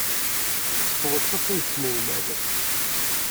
Teffeɣ-d d taṭbibt n lmal.